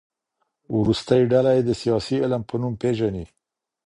وروستۍ ډله يې د سياسي علم په نوم پېژني.